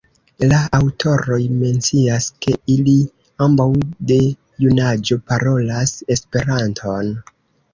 La aŭtoroj mencias, ke ili ambaŭ de junaĝo parolas Esperanton.